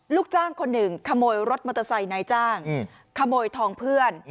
ลูกจ้างคนหนึ่งขโมยรถมอเตอร์ไซค์นายจ้างขโมยทองเพื่อน